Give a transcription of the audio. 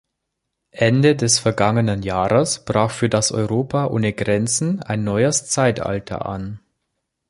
Ende des vergangenen Jahres brach für das Europa ohne Grenzen ein neues Zeitalter an.